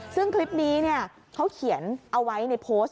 ซึ่งคลิปนี้เขาเขียนเอาไว้ในโพสต์